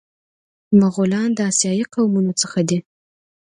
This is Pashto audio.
مغولان له اسیایي قومونو څخه دي.